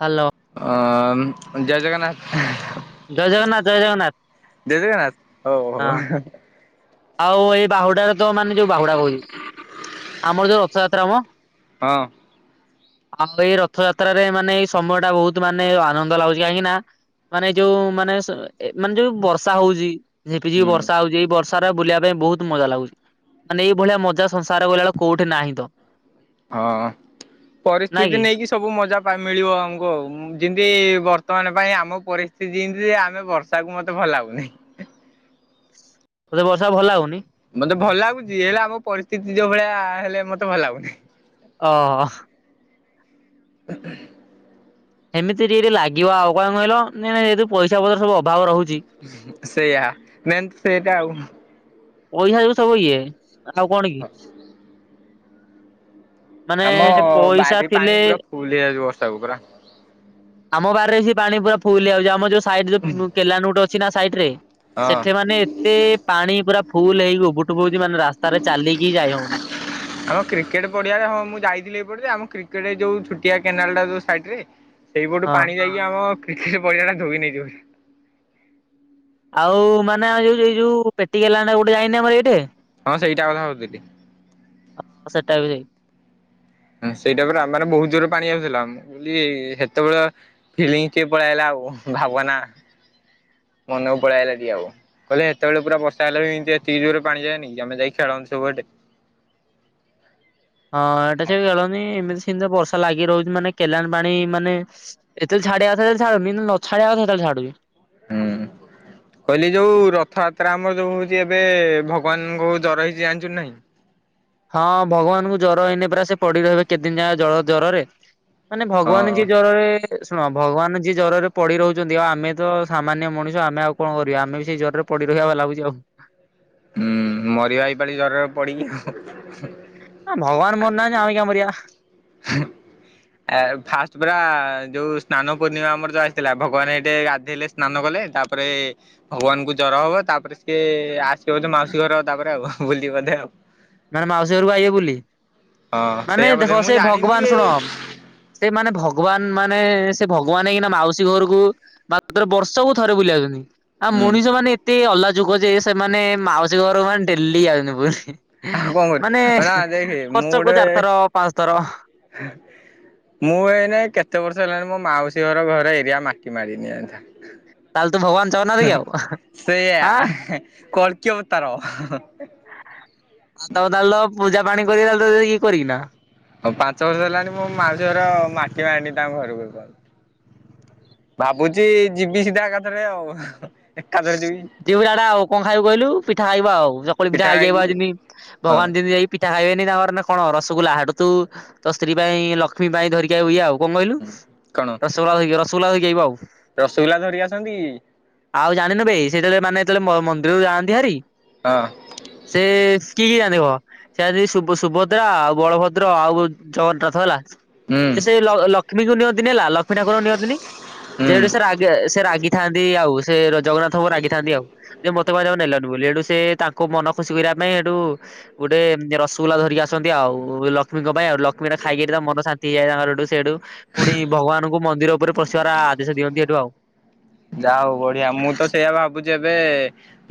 Hello ହଁ ଜୟ ଜଗନ୍ନାଥ। ଜୟ ଜଗନ୍ନାଥ ଜୟ ଜଗନ୍ନାଥ ଦେଲେ କି ନାଇଁ। ହଉ ହଁ ହଉ। ଆଉ ଏଇ ବାହୁଡାରେ ତ ମାନେ ଯୋଉ ବାହୁଡା କହୁଛି, ଆମର ଯୋଉ ରଥଯାତ୍ରା ମ। ହଁ। ଆଉ ଏଇ ରଥଯାତ୍ରାରେ ମାନେ ଏଇ ସମୟ ଟା ବହୁତ ମାନେ ଆନନ୍ଦ ଲାଗୁଛି କାହିଁକି ନା ମାନେ ଏଇ ଯୋଉ ମାନେ ମାନେ ଯୋଉ ବର୍ଷା ହଉଛି ଝିପିଝିପି ହୁଁ ବର୍ଷା ହଉଛି ଏଇ ବର୍ଷା ସଂସାର ବୁଲିବା ପାଇଁ ବହୁତ ମଜା ଲାଗୁଛି। ମାନେ ଏଇ ଭଳିଆ ମଜା ସଂସାର ବୁଲା ବବେଳେ କୋଉଠି ନାହିଁ ତ। ହଁ ନାଇଁ ପରିସ୍ଥିତି କି ନେଇକି ସବୁ ମଜା ମିଳିବ ଆମକୁ ଆଉ, ଯେମିତି ବର୍ତ୍ତମାନ ପାଇଁ ଆମ ପରିସ୍ଥିତି ଯେମିତି ଆମେ ତାକୁ ମତେ ଭଲ ଲାଗଉନିଁ। ତତେ ବର୍ଷା ଭଲ ହଉନି। ମତେ ଭଲ ଲାଗୁଛି, ହେଲେ ଆମ ପରିସ୍ଥିତି ଯୋଉ ଭଳିଆ ହେଲେ ମତେ ଭଲ ଲାଗୁନି। ଓ ସେମିତି ଟିକି ଲାଗିବ ଆଉ କଣ କହିଲ ନ ଏୁ ପଇସା ପତ୍ର ସବୁ ଅଭାବ ରହୁଛି। ସେଇୟା ନ ସେଇଟା ଆଉ ପଇସା ସବୁ ସବୁ ଇଏ ଆଉ କଣ କି ମାନେ ଆମ ପଇସା ବାରି ଥିଲେ ପାଣି ପୁରା ଫୁଲ ହେଇଯାଉଛି ବର୍ଷାକୁ ପୁରା। ଆମ ବାରିରେ ସେ ପାଣି ପୁରା ଫୁଲ ହେଇଯାଉଛି। ଆମ ଯୋଉ ସାଇଡ ଯ କେନାଲ ଗୋଟେ ଅଛି ନା ସାଇଡ ରେ ହଁ। ସେଠି ମାନେ ଏତେ ପାଣି ପୁରା ଫୁଲ ହେଇକି ଉବୁଟବୁ ହଉଛି ମାନେ ରାସ୍ତାରେ ଚାଲିକି ଯାଇ ହଉନି। ଆଉ କ୍ରିକ କ୍ରିକେଟ ପଡିଆରେ ହଁ ମୁଁ ଯାଇଥିଲି ଏପଟେ ଆମ କ୍ରିକେଟ ଯୋଉ ଛୁଟିଆ କେନାଲ ଟା ଯୋଉ ସାଇଡରେ ସେଇପଟୁ ହଁ ପାଣି ଯାଇକି ଆମ, କ୍ରିକେଟ ପଡିଆ ଟା ଧୋଇ ନେଇଯିବ ବୋଲି ଆଉ ମାନେ ଏ ଯୋଉ ଯୋଉ ଏ ଯୋଉ ପେଟି ଗଲାଣିଣ ଗୋଟେ ଯାଇନି ଆମର ଏଇଠି ହଁ ସେଇଟା କଥା ଭାବୁଥିଲି। ହଁ ସେଇଟା ବି ଯାଇ ହଁ ସେଇଟା ପରେ ଆମର ବହୁତ ଜୋରରେ ପାଣି ଆସୁଥିଲା ମୁ କହିଲି ସେତେବେଳେ କିଲିଙ୍ଗ କିଏ ପଳେଇ ଆଇଲା ଆଉ ଭାବନା ମନକୁ ପଳାଇ ଆଇଲା ଆଉ। କହିଲେ ସେତେବେଳେ ପୁରା ବର୍ଷା ହେଲାବି ଏମତି ଏତିକି ଜୋର ପାନିଯାଏନି କି ଆମେ ଯାଇ ଖେଳନ୍ତୁ ସବୁଠେ ହଁ, ଏଇଟା ସେ କେଳନି ଏମିତି ସେମିତ ବର୍ଷା ଲାଗି ରହୁଛି। ମାନେ କେଲାଣ ପାଣି ମାନେ ଏଥିରେ ଛାଡ଼ିଆ କଥା ଛାଡୁନି। କିନ୍ତୁ ନ ଛାଡ଼ିଆ କଥା ହେତେଳେ ଛାଡୁଛି। ହୁଁ। କହିଲି ଯଉ ରଥଆତ୍ରା ଆମର ଯୋଉ ହଉଛି ଏବେ, ଭଗବାନଙ୍କୁ ଜର ହେଇଛି ଜାଣିଛୁ ନାହିଁ। ହଁ, ଭଗବାନଙ୍କୁ ଜର ହେଇନି ପରା, ସେ ପଡି ରହିବେ କେତ ଦିନ ଯାଏଁ ଜର-ଜରରେ। ମାନେ ଭଗବାନ ହଁ ଯିଏ ଜ୍ୱରରେ ଶୁଣ ଭଗବାନ ଯିଏ ଜ୍ୱରରେ ପଡି ରହୁଛନ୍ତି, ଆଉ ଆମେ ତ ସାମାନ୍ୟ ମଣିଷ ଆମେ ଆଉ କଣ କରିଆ? ଆମେ ବି ସେଇ ଜ୍ୱରରେ ପଡି ରହିବା ବା ଲାଗୁଛି ଆଉ। ହୁଁ, ମରିବା ଏଇପାଳି ଜରରେ ପଡିକି ଆଉ। ଆ ଭଗବାନ ମରି ନାହାଁନ୍ତି। ଆମେ କିଆଁ ମରିଆ? [inaudible] ଆ, ଫାଷ୍ଟ୍ ପରା ଯୋଉ ସ୍ନାନ ପୂର୍ଣ୍ଣିମା ଆମର ଯୋଉ ଆସିଥିଲା, ଭଗବାନ ହେଇଠେ ଗାଧେଇଲେ। ସ୍ନାନ କଲେ। ତା'ପରେ ଭଗବାନଙ୍କୁ ଜର ହବ। ତା'ପରେ ସିଏ ଆସ୍ ସେ ବଧେ ମାଉସୀ ଘର ତା'ପରେ ଆଉ, ବୁଲି ବୋଧେ ଆଉ। ମାନେ ମାଉସୀ ଘରକୁ ଆଇବେ ବୁଲି। ହଁ ମାନେ ସେଇଆ ବୋଧେ ଦେଖ ମୁଁ ସେ ଜାଣିନି ଭଗବାନ ଟିକେ ଶୁଣ ସେ ମାନେ ଭଗବାନ ମାନେ ସେ ଭଗବାନ ହେଇକିନା ମାଉସୀ ଘରୁକୁ ମାତ୍ର ବର୍ଷ କୁ ଥରେ ବୁଲି ଆଉଛନି। ଆଉ ହୁଁ ମଣିଷ ମାନେ ଏତେ ଅଲାଯୁକ ଯେ, ସେମାନେ ମାଉସୀ ଘରକୁ ମାନେ ଡେଲି [unintelligible] ବୁଲି। ଆଉ କଣ କରୁ? ମାନେ ଅନା ଦେଖେ ମୁଁ ବର୍ଷକୁ ଗୋଟେ ଚାରିଥର ପାଞ୍ଚ ଥର ମୁଁ, ଏଇ ନାଇଁ କେତେ ବର୍ଷ ହେଲାଣି, ମୋ ମାଉସୀ ଘର ଘର ଏରିଆ ମାଟି ମାଡିନି ଆନ୍ଥା। ତାହେଲେ ତୁ ଭଗବାନ୍ ହୁଁ ହୁଁ, ସେଇଆ କଳ୍କୀ ଅବତାର। ତାଲ ତ ପୂଜା ପାଣି କରିକି [unintelligible] କରିକିନା। ହଉ ପାଞ୍ଚ ବର୍ଷ ହେଲାଣି ମୋ ମାଉସୀ ଘର ମାଟି ମାଟିମାଡ଼ିନି ତାଙ୍କ ଘରକୁ ଟଟାଲ୍। ଭାବୁଚି! ଯିବି ସିଧା ଏକାଥରେ ଆଉ। ଏକାଥରେ ଯିବି ଦିଉଡାଡା ଆଉ କଣ ଖାଇବୁ କହିଲୁ? ପିଠା ଖାଇବୁ ଆଉ। ଚକୁଳି ପିଠା ଖାଇକି ଆଇବ ଯିଁତି ହଁ ଭଗବାନ୍ ଦିନେ ଯାଇ ପିଠା ଖାଇବେନି, ତାଙ୍କର ନା କଣ ରସଗୁଲା! ହେଡୁ ତୁ ତ ସ୍ତ୍ରୀ ପାଇଁ ଲକ୍ଷ୍ମୀ ପାଇଁ ଧରିକି ଆଉ ଇଏ ଆଉ। କଣ କହିଲୁ? ହୁଁ ରସଗୋଲା ଧଇକି ରସଗୁଲା ଧଇକି ଆଇବ ଆଉ। ରସଗୁଲା ଧରିକି ଆସନ୍ତି କି? ଆଉ ଜାଣିନୁ ବେ ସିଏ ଯେତେବେଳେ ମାନେ ଯେତବେଳେ ମ- ମନ୍ଦିରରୁ ଯାଆନ୍ତି ହାରି ହଁ। ସେ [unintelligible] ସେ ଆଜି ସୁଭ-ସୁଭଦ୍ରା ଆଉ ବଳଭଦ୍ର ଆଉ ଜଗନ୍ନାଥ ହେଲା ହୁଁ ସେ ଲ ଲକ୍ଷ୍ମୀ ଯୋଉ ନିଅନ୍ତିନି ହେଲା ଲକ୍ଷ୍ମୀ ଠାକୁର ନିଅନ୍ତିନି। ହୁଁ ଯେହତୁ ସେ ରାଗେ ସେ ରାଗିଥାନ୍ତି ଆଉ। ସେ ଜଗନ୍ନାଥଙ୍କୁ ରାଗିଥାନ୍ତି ଆଉ। ଯେ ମତେ କହିଲ ଆଉ ନେଲନି ବୁଲି। ଏଠୁ ସେ ତାଙ୍କ ମନ ଖୁସି କରିବା ପାଇଁ ହେଠୁ ଗୁଟେ ଏମିତି ରସଗୋଲା ଧରିକି ଆସନ୍ତି ଆଉ। ଲକ୍ଷ୍ମୀଙ୍କ ପାଇଁ ଆଉ। ଲଖ୍ ମୁଁ ଏଇନା ଖାଇକିରି ତାଙ୍କ ମନ ଶାନ୍ତି ହେଇଯାଏ। ତାଙ୍କର ହେଠୁ ସିଏ ହେଠୁ ପୁଣି ଭଗବାନଙ୍କୁ ମନ୍ଦିର ଉପରେ ପଶିବାର ଆ-ଆଦେଶ ଦିଅନ୍ତି ହେଠୁ ଆଉ। ଯାହ ହଉ ବଢିଆ! ମୁଁ ତ ସେଇଆ ଭାବୁଛି ଏବେ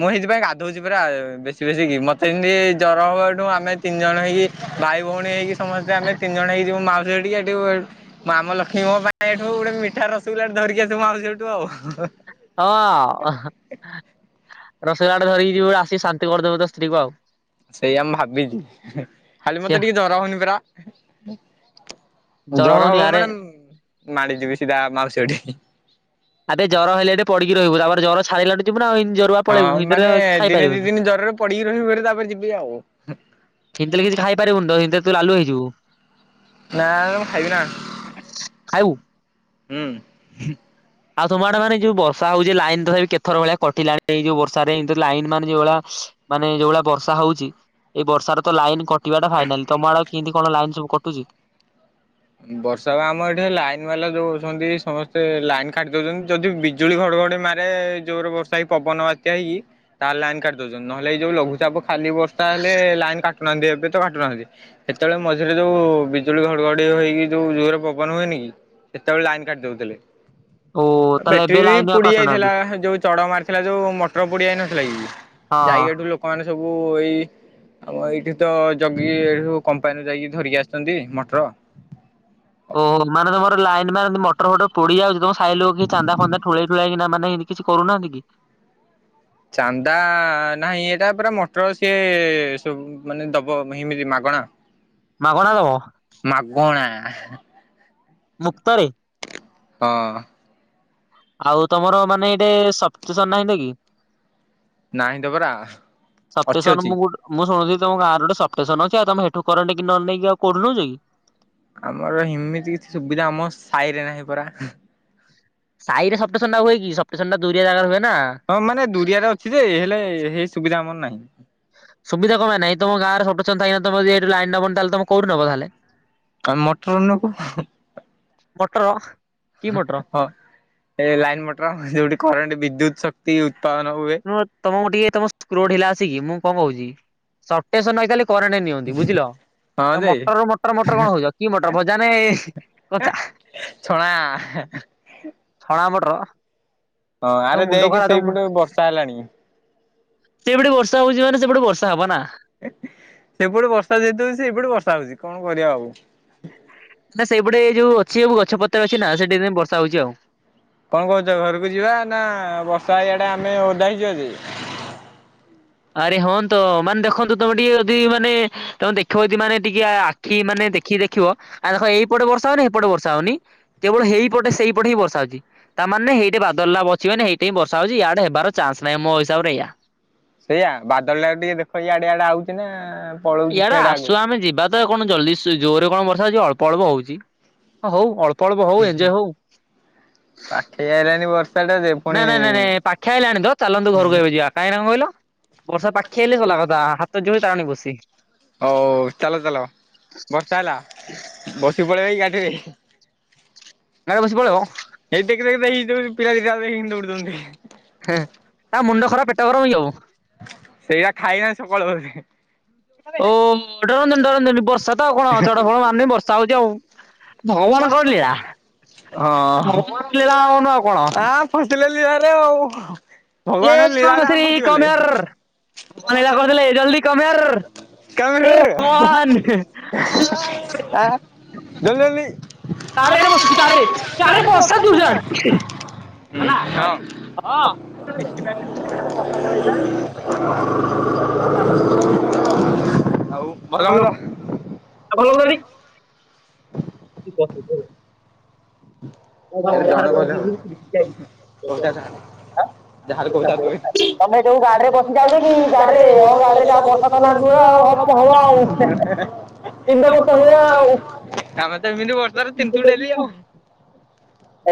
ମୁଁ ହେଇଥିପାଇଁ ଗାଧଉଛି ପୁରା ବେଶୀ ବେଶୀ କି। ମତେ ଯିଁତି ଜର ହବ ଏଠୁ ଆମେ ତିନି ଜଣ ହେଇକି, ଭାଇ ଭଉଣୀ ହେଇକି ସମସ୍ତେ ଆମେ ତିନି ଜଣ ହେଇକି ଯିବୁ। ମାଉ ସେଠି ଏଠି ପା ମାମ୍ ଲକ୍ଷ୍ମୀ ମୋ ପାଇଁ ଏଠୁ ଗୋଟେ ମିଠା ରସଗୁଲା ଟେ ଧରିକିଆ ଆସିବୁ ସେଠୁ ଆଉ [unintelligible] ହଁ। ଅ [inaudible] ରସଗୋଲା ଧରିକି ଯିବୁ ଆସି ଶାନ୍ତି କରିଦବୁ ତୋ ସ୍ତ୍ରୀକୁ ଆଉ। ସେଇଆ ମୁ ଭାବିଚି ଖାଲି ସିଆ ମତେ ଟିକେ ଜର ହଉନି ପରା। ଜର ହଉନି ହବ ଆରେ ମାନେ ମାଡିଯିବି ସିଧା ମାଉସୀ ଅଟିକି। ଆବେ ଜର ହେଲେ ଏଇଠି ପଡିକି ରହିବୁ ତାପରେ ଜର ଛାଡ଼ିଲା ଟୁ ଜିବୁନାଉ ଇନ୍ତୀ ଜ ହଁ ମାନେ ଦିନେ ଦି ଦିନ ଜରରେ ପଡିକି ରହିବି ତାପରେ ଯିବି ଆଉ। ଇଁଟିଲେ କିଛି ଖାଇପାରିବନୁ ତ ଏତିରେ ତୁ ଲାଲୁ ହେଇଯୁବୁ। ନା ମୁ ଖାଇବି ନା ଖାଇବୁ। ହୁଁ। ଆଉ ତୁମ ଆଡେ ମାନେ ଯୋଉ ବର୍ଷ ହଉଚି ଲାଇନ ତଥାପି କେଥର ଭଳିଆ କଟିଲାଣି ଏଇ ଯୋଉ ବର୍ଷା ରେ ଏମତି ଲାଇନ ମାନ ଯୋଉ ଭଳିଆ ମାନେ ଯୋଉଭଳିଆ ବର୍ଷା ହୋଉଚି। ଏଇ ବର୍ଷା ତ ଲାଇନ କଟିବା ଟା ଫାଇନାଲ ତମ ଆଡ କିନ୍ତି କଣ ଲାଇନ ସବୁ କଟୁଚି। ବର୍ଷା ବା ଆମର ଏଠି ଲାଇନ ବାଲା ଯୋଉ ଅଛନ୍ତି ସମସ୍ତେ ଲାଇନ କାଟି ଦୋଉଚନ୍ତି ଯଦି ବିଜୁ ଜୁଳି ଘଡଘଡି ମାରେ ଜୋରରେ ବର୍ଷା ହେଇି ପବନ ବାତ୍ୟା ହେଇକି ତାହେଲେ ଲାଇନ୍ କାଟି ଦଉଚନ୍ତି ନହଲେ ଏଇ ଯୋଉ ଲଘୁଚପ ଖାଲି ବର୍ ତା ହେଲେ ଲାଇନ କାଟୁନାହାନ୍ତି ଏବେ ତ କାଟୁନାହାନ୍ତି ସେତେବେଳେ ମଝିରେ ଯୋଉ ବିଜୁଳି ଘଡଘଡି ବିଜୁଳି ହେଇକି ଯୋଉ ଜୋର ପବନ ହୁଏନି କି ସେତେବେଳେ ଲାଇନ କାଟି ଦଉଥିଲେ। ଓ ତାହେଲେ ବ୍ୟଟ୍ରି ଏବେ ବି ଲାଇନ ଆଉ ପୋଡି କାଟୁନାହାନ୍ତି ଯାଇଥିଲା ଯୋଉ ଚଡ ମାରିଥିଲା ଯୋଉ ମୋଟର ପୋଡି ଯାଇନଥିଲା କି। ହଁ ହଁ। ଯାଇ ହେଟୁ ଲୋକମାନେ ସବୁ ଏଇ ଆମ ଏଇଠି ତ ଜଗିକି ଏଠୁ କମ୍ପାନୀରୁ ଯାଇକି ଧରିକି ଆସିଚନ୍ତି ମଟର। ଓ ମାନେ ତମର ଲାଇନ୍ ମାନେ ମଟର ଫଟର ପୋଡିଯାଉଚି ତମ ସାଇ କି ଚାନ୍ଦା ଫନ୍ଦା ଠୁଳେଇ ଠୁଳାକି ମାନେ କିଛି କରୁନାହାନ୍ତି କି। ଚାନ୍ଦା ନାହିଁ ଏଇଟା ପରା ମଟର ସିଏ ସବୁ ମାନେ ଦବ ଏମିତି ମାଗଣା। ମାଗଣା ଦବ। ମାଗଣା। ମୁକ୍ତରେ। ହଁ। ଆଉ ତମର ମାନେ ଏଇଟେ ସପ୍ ଚିସନ୍ ନାହିଁ ନ୍ତି କି। ନାହିଁ ତ ପରା ଅଛି ସପ୍ଟିସନ ଅଛି। ମୁ ଗୁଟୁ। ମୁଁ ଶୁଣୁଥିଲି ତମ ଗାଁରେ ଗୋଟେ ସପ୍ ଟେସନ ଅଛି ଆଉ ତମେ ହେଠୁ କରେଣ୍ଟ କି ନ ନେଇକ ଆଉ କୋଉଟୁ ନୋଉଚ କି। ଆମର ହିମିତି କିଛି ସୁବିଧା ଆମ ସାହିରେ ନାହିଁ ପରା। ସାଇରେ ସପ୍ ଟେସନ୍ ଟା ହୁଏ କି ସପ୍ ଟେସନ୍ ଟା ଦୁରିଆ ଜାଗାରେ ହୁଏ ନା। ହଁ ମାନେ ଦୁରିଆରେ ଅଛି ଯେ ହେଲେ ହେଇ ସୁବିଧା ଆମର ନାହିଁ। ସୁବିଧା କଣ ପାଇଁ ନାଇ ତମ ଗାଁରେ ସପ୍ ଟେସନ୍ ଥାଇକି ନା ତମ ଯଦି ଲାଇନ ନବନି ତାହଲେ ତମେ କୋଉଠୁ ନବ ତାହଲେ। କାମ ଠୁ ନୋବୁ। ବଟର। ହଁ ଅ ଏ ଲାଇନ୍ ମଟର ସେଉଟି କରେଣ୍ଟ ବିଦ୍ୟୁତ ଶକ୍ତି ଉତ୍ପାଦନ ହୁଏ। ତମକୁ ଟିକେ ତମ ସ୍କ୍ରୂ ଢିଲା ଅଛି କି ମୁଁ କଣ କହୁଚି ସପ୍ ଟେସନ୍ ନ ହେଇପାଇଲେ କରେଣ୍ଟ ନିଅ। ବୁଝିଲ ହଁ ତ ଯେ ମଟରରୁୁ ମଟର ମଟର କଣ ହଉଚ କି ମଟର ଭଜରେ କଚା। ଛଣା। ଛଣା ମଟର। ହଁ ତମ ଆରେ ମୁଣ୍ଡ ଦେଖେ ଖରାପ ତମ ସେଇପଟେ ବି ବର୍ଷା ହେଲାଣି। ସେପଟେ ବର୍ଷା ହଉଚିଣମାନେ ସେପଟେ ବର୍ଷା ହବ ନା। ସେପଟୁ ବର୍ଷା ଯେତେ ହଉଛି ଏପଟେ ବର୍ଷା ହଉଚି କଣ କରିଆ ଆଉ। ନା ସେଇ ପଟେ ଏ ଯୋଉ ଅଛି ସବୁ ଗଛପତ୍ର ଅଛି ନା ସେଥିପାଇଁ ବର୍ଷା ହଉଚି ଆଉ। କଣ କହୁଚ ଘରକୁ ଯିବା ନା ବର୍ଷା ଏଇଆଡେ ଆମେ ଓଦା ହେଇଯିବା ଯେ। ଆରେ ହଁନ୍ତ ମାନେ ଦେଖନ୍ତୁ ତମେ ଟିକେ ଯଦି ମାନେ ତମେ ଦେଖିବ ଯଦି ମାନେ ଟିକେ ଆ ହି ମାନେ ଦେଖିକି ଦେଖିବ ଆଉ ଦେଖ ଏଇପଟେ ବର୍ଷା ହଉନି ଏପଟେ ବର୍ଷା ହଉନି। କେବଳ ହେଇପଟେ ସେଇ ପଟେ ହିଁ ବର୍ଷା ହଉଛି। ତା ମାନେ ହେଇଟି ବାଦଲଟା ବଛିିବେନେଇ ହେଇଠି ବର୍ଷା ହଉଛି ଇଆଡ଼େ ହେବାର ଚାନ୍ସ ନାହିଁ ମୋ ହିସାବରେ ଏଇଆ। ସେଇଆ ବାଦଲ ଟା ଟିକେ ଦେଖ ଇଆଡେ ଇଆଡେ ଆଉଛି ନା। ପଳଉଛି ଇଆଡ଼େ ସିଆଡେ ଆଗକୁ। ଆସୁ ଆମେ ଯିବା ତ ଆଉ କଣ ଜଲଦି ଜୋରରେ କଣ ବର୍ଷା ହଉଛି ଅଳ୍ପ ଅଳ୍ପ ହଉଛି ହଁ ହଉ ଅଳ୍ପ ଅଳ୍ପ ଅଳ୍ପ ହଉ ଏଯେ ହଉ। ହେ ଆଇଲାଣି ବର୍ଷାଟାରେ। ନାଇଁ ନାଇଁ ନାଇଁ ପାଖେଇ ଆଇଲାଣି ତ ଚାଲନ୍ତୁ ଘରକୁ ଏବେ ଯିବା କାହିଁକି ନା କଣ କହିଲ? ବର୍ଷା ପାଖେଇଲେ ଭଲ କଥା ହାତ ଜୋଳି ଟାରନି ବସି। ହଉ ଚାଲ ଚାଲ ବର୍ଷା ହେଲା ବସିି ପଳେଇବାକି ଗାଡ଼ିରେ। ନ ହେଲେ ବସି ପଳେଇବ। ଏଇ ଦେଖି ଦେଖୀ ଦେଇ ଜଉ ପିଲା ଦିଟା ଆଙ୍କ ଦେଖି କେମିତି ଦୌଡୁଛନ୍ତି। ହେଁ, ତାଙ୍କ ମୁଣ୍ଡ ଖରାପ ପେଟ ଗରମ ହିଁ ହବ। ସେଇୟା ଖାଇବା ସକାଳୁ ଓଳି। ଓ ଡରନ୍ତୁନି ଡରନ୍ତୁନି ବର୍ଷା ତ ଆଉ କଣ ଚଡକ ଫଡକ ମାରୁନି ବର୍ଷା ହଉଛି ଆଉ। ଭଗବାନଙ୍କର ଲୀଳା ହଁ ଭଗବାନଙ୍କର ଲୀଳା ଅନୁ ଆଉ କଣ। ଆ ହଷ୍ଟେଲ ଲୀଳାରେ ଆଉ ଏ ଭଗବାନ ରାମ ଲୀଳାରେ ଶ୍ରୀ ଆମେ କମ୍ ଫସିିଗଲେ। ହିଅର୍ ଭଗବାନ ଭଗବାନ୍ ଲୀଳା କରିଦେଲେ ଜଲ୍ଦି କମ୍ ହିଅର୍। ଏ ଭଗବାନ। [unintelligible] [inaudible] ଦେଲେନି। କାର ବସିଛୁ କାର୍ ରେ କାର ରେ ବର୍ଷା ଦୂଲ୍ ଦାଲ୍। ହୁଁ, ହିଁ ହେଲା ହଁ। ଆଉ। କଣ ଭଲ କହିଲ ମନ୍ଦ? ଭଲନାଠିକ। [unintelligible] ବସିଥିବେ। ହେଲେ ଜଣେ କହିଲେ ହବକି ବର୍ଷାଟା ହବ। ଯାହାହେଲେ କହୁଥା ତୁମେ ତମେ ଯୋଉ ଗାଡିରେ ବସି ବସିକି ଯାଉଛ କି ଆଉଛକି ଗାଡିରେ ହଁ ଗା ଗାଡିରେ ଡିରେ ଯାହା ଯାଉଛୁ। ତ [unintelligible] ବର୍ଷା ନାଦିବ ଆଉ ହବ ହବ ହୁଏ ଆଉ। ତିନି ବର୍ଷ ହୁଏ ଆଉ ଆମେ ତ ଏମିତି ବର୍ଷାରେ ତିନ୍ତୁ ଡେଲି ଆଉ।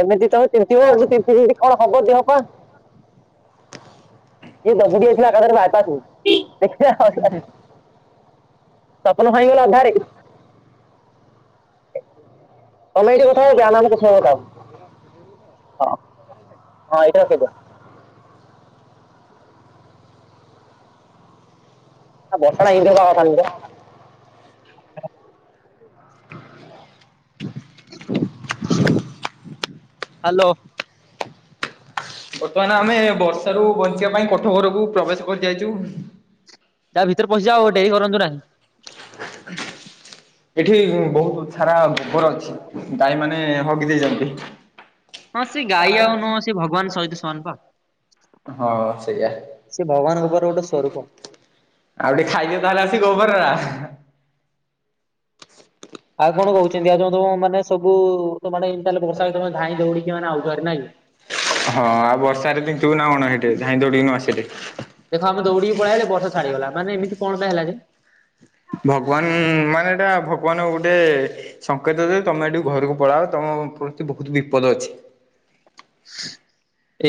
ଏମିତି ତମେ ତିନ୍ତିବ ଆଉ ଏମିତି ତିନ୍ତି ତିନ୍ତି କଣ ହବ ଦେହ ପା। କିଏ ଦବୁକି ଦେଇଥିଲା ଏକାଥରେ ବାଡ଼ିଟାକୁ ଦେଖିବା। ସପନ ଭାଙ୍ଗିଗଲା ଅଧାରେ। ତମେ ଏଇଠି କଥା ହବ ଆମେ ଜାଣି ଆମ କଥା ଜାଣି ଗୋଟିଏ ହବୁ କଥା ହବ। ହଁ ହଁ ଏଇଟା ସତ। ହଁ ବର୍ଷା ଟା ଏମିତି ତ ହବାର ନିହିତ। [inaudible] ହାଲୋ। ବର୍ତ୍ତମାନ ଆମେ ବର୍ଷା ରୁ ବଞ୍ଚିବା ପାଇଁ କୋଠଘରକୁ ପ୍ରବେଶ କରି ଯାଇଛୁ। ଯା ଭିତରେ ପଶିଯା ଆଉ ଡେରି କରୁନ୍ତୁ ନାହିଁ। ଏଠି ବହୁତୁ ଚ୍ଛା ଲରା ଗୋବର ଅଛି। ଗାଈ ମାନେ ହଗି ଦେଇଛନ୍ତି। ହଁ, ସେ ଗାଈ ଆଉ ନୁହଁ ସେ ଭଗବାନ ସହିତ ସମାନ ପା। ହଁ ସେଇଆ ସେ ଭଗବାନଙ୍କ ଉପରେ ଗୋଟେ ଆଉ ସ୍ୱରୂପ ଟିକେ ଖାଇଦେ ତାହେଲେ ଆସି। ଗୋବରା। ଆଉ କଣ କହୁଛନ୍ତି ଆଉ ଯଉ ତମକୁ ମାନେ ସବୁ ତମଆଡେ ଏମିତି ତାହେଲେ ବର୍ଷା ହେଲେ ତମେ ଧାଇଁ ଦଉଡି କି ମାନେ ଆଉଛ ହାରି ନାଇଁ? ହଁ, ଆଉ ବର୍ଷାରେତିନ୍ତିବୁନା ନା କଣ ହେଠି ଧାଇଁ ଦୌଡିକି ନ ଆସିଲେ। ଛାଡ଼ିଗଲା, ମାନେ ଏମତି କଣ ପାଇଁ ହେଲା ଯେ? ଭଗବାନ ମାନେ, ଏଇଟା ଭଗବାନ ଗୋଟେ। ସଙ୍କେତ ଯେ, ତମେଏଠି ଘରକୁ ପଳାଅ ତମ ପ୍ରତି ବହୁତ ବିପଦ ଅଛି। [unintelligible]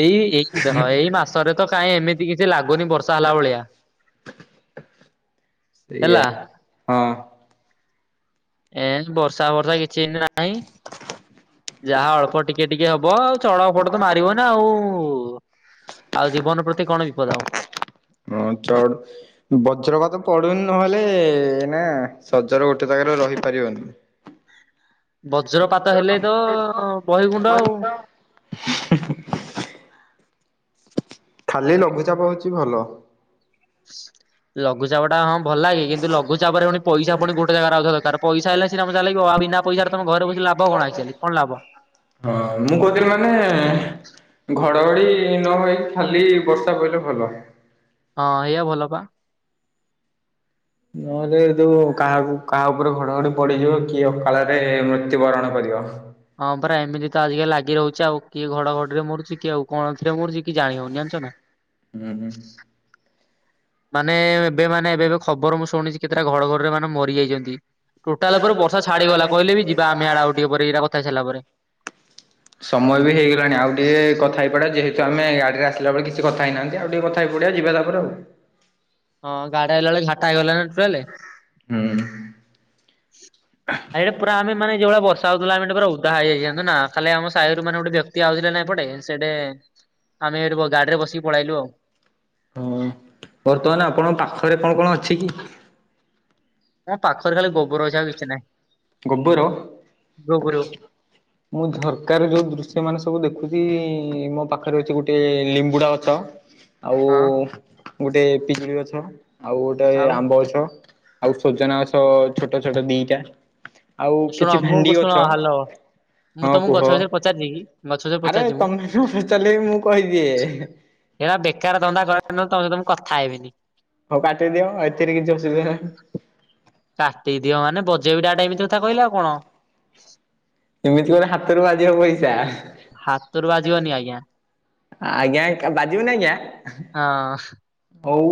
ଏଇ ଏଇ ଦେଖ ଏଇ ମାସରେ ତ କାଇଁ ଏମିତି କିଛି ଲାଗୁନି ବର୍ଷା ହେଲା ଭଳିଆ। [unintelligible] ସେଇଆ ହେଲା ହଁ। ଏଇ ବର୍ଷା ବର୍ଷା କିଛି ନାହିଁ। ଯାହା ଅଳ୍ପ ଟିକେ ଟିକେ ହବ, ଆଉ ଚଳପଟ ତ ମାରିବ ନା ଆଉ ଆଉ, ଜୀବନ ପ୍ରତି କଣ ବିପଦ ଆଉ। ହଁ ଚ [unintelligible] ବଜ୍ର ପାତ ପଡୁନି ନହେଲେ ନା ସଜର ଗୋଟେ ଜାଗାରେ ରହିପାରିବନି। ବଜ୍ରପାତ ହେଲେ ତ ବହି ଗୁଣ୍ଡ ଆଉ। ଖାଲି ଲଘୁଚାପ ହେଉଛି ଭଲ। [unintelligible] ଲଘୁଚାପ ଟା ହଁ ଭଲ ଲାଗେ କିନ୍ତୁ ଲଘୁଚାପ ରେପୁଣି ପଇସ ପୁଣି ଗୋଟ ଜାଗ ରେ ଦରକାର ପଇସା ହେଲା ସିନା ମଜାଲାଗିବ। ଆଉ ବିନା, ପଇସା ଟା ତମ ଘରେ ବସି ଲାଭ କଣ ଏକ୍ଚଲି କଣ ଲାଭ। ହଁ, ମୁଁ କହୁଥିଲି ମାନେ ଘଡଘଡି। ନହେଇ ଖାଲି ବର୍ଷା ପଇଲେ ଭଲ। ହଁ ଏଇଆ ଭଲ ପା। ନହଲେ ତ କାହାକୁ କାହା ଉପରେ ଘଡଘଡି ପଡିଯିବ କିଏ ଅକାଳରେ ମୃତ୍ୟୁବରଣ କରିବ। ହଁ ପରା ଏମିତି ତ ଆଜିକାଲି ଲାଗି ରହୁଛି, ଆଉ କିଏ ଘଡ ଘଡିରେ ମରୁଛି କି ଆଉ କଣ କିରେ ମରୁଛି କି ଜାଣି ହଊନି ଜାଣିଛ ନା। ହୁଁ, ହୁଁ, ମାନେ ଏବେ ମାନେ ଏବେ ଖବର ମୁଁ ଶୁଣିଛି କେତେଟା ଘଡ଼ ଘଡି ରେ ମାନେ ମରି ଯାଇଛନ୍ତି। ଟୋଟାଲ ଉପରେରେ ବର୍ଷା ଛାଡିଗଲା, କହିଲେ ବି ଯିବା ଆମେ ଆଡେ ଆଉ ଟିକେ ପରେ ଏଇଟା କଥା ସାରିଲା ପରେ। ସମୟ ବି ହେଇଗଲାଣି ଆଉ ଟିକେ କଥା ହେଇପଡେ, ଯେହେତୁ ଆମେ ଗାଡି ରେ ଆସିଲା ବେଳେ କିଛି କଥା ହେଇନାହାନ୍ତି। ଆଉ ଟିକେ କଥାହେଇ ପଡିବା ଯିବା ତାପରେ ଆଉ। ହଁ ଗାଡି ଆଇଲା ବେଳେ ଘାଟା ହେଇଗଲା ନା। [unintelligible] ହୁଁ, ଆଇଟା ପୁରା ଆମେ ଯୋଉ ଭଳି ବର୍ଷାଉଥିଲାମେ ପୁରା ଉଦାଯାଇ ଯଆୁ ନା ଖାଲି ଆମ ସାହିର ମାନେ ଗୋଟେ ବ୍ୟ କ୍ତ, ଆଉଥିଲେ ନାଇଁ ପଟେ ସେଇଡେ। [unintelligible] ହଁ, ବର୍ତ୍ତମାନ ଆପଣଙ୍କ ପାଖରେ କଣ କଣ ଅଛି କି? ମୋ ପାଖରେ ଖାଲି ଗ, ଗୋବର। ଗୋବରୁ ମୁଁ ଝରକା ରେ ଯୋଉ ଦୃଶ୍ୟ ମାନେ ସବୁ ଦେଖୁଛି, ମୋ ପାଖରେ ଅଛି ଗୋଟେ ଲିମ୍ବୁଡା ଗଛ। [unintelligible] ଆଉ ଗୋଟେ ପିଜୁଳି ଗଛ, ଆଉ ଗୋଟେ ଆଉ ଆମ୍ବ ଗଛ। ଆଉ ସଜନା ଗଛ ଛୋଟ ଛୋଟ ଦିଟା। ଆଉ ଶୁଣ କିଛି ମୁଁ ଭେଣ୍ଡି ଶୁଣ ଗଛ। ହାଲୋ ମୁଁ ହଁ ତମକୁ କୁହ ଗଛ ବିଷୟରେ ପଚାରିଛି କି ଗଛ ବିଷୟରେ ଆରେ ପଚାରିଛି ମୁଁ। ତମେ [unintelligible] ପଚାରିଲେ ମୁଁ କହିଦିଏ। ଏଇଟା ବେକାର ଧନ୍ଦା [unintelligible] ତମ ସହ କଥା ହେବିନି? ହଉ କାଟିଦିଅ, ଏଥିରେ କିଛି ଅସୁବିଧା ନାହିଁ। କାଟିଦିଅ ମାନେ ବଜେଇବି ଡାଇରେକ୍ଟ ଏମିତି କଥା କହିଲା ଆଉ କଣ। ଏମିତି ମୋର ହାତରୁ ବାଜିବ ପଇସା। ହାତରୁ ବାଜିବନି ଆଜ୍ଞା ଆଜ୍ଞା ବାଜିିବ ନା ଆଜ୍ଞା। ହଁ। ହଉ।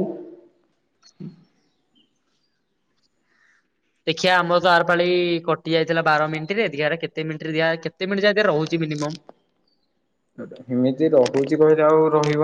ଦେଖିଆ ଆମ ତର ଆର ପାାଳି କଟି ଯାଇଥିଲା ବାର ମିନିଟ ରେ ଦେଖଆ କେତେ ମିନିଟରେ କେତେ ମିନିଟ ଯ ରହୁଛି ମିନିମମ୍। ହେମିତି ରହୁଛି କହିଲେ ଆଉ ରହିବ।